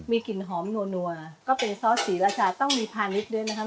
มีกลิ่นหอมนัวก็เป็นซอสศรีราชาต้องมีพาณิชย์ด้วยนะครับ